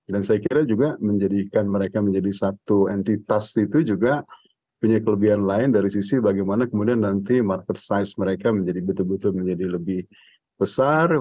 dan saya kira juga menjadikan mereka menjadi satu entitas itu juga punya kelebihan lain dari sisi bagaimana kemudian nanti market size mereka menjadi betul betul menjadi lebih besar